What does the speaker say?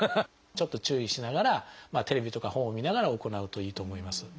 ちょっと注意しながらテレビとか本を見ながら行うといいと思います。